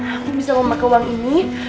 aku bisa memakai uang ini